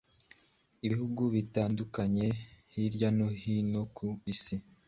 Ibihugu bitandukanye hirya no hino ku isi